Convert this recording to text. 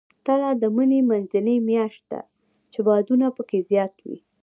تله د مني منځنۍ میاشت ده، چې بادونه پکې زیات وي.